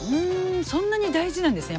そんなに大事なんですね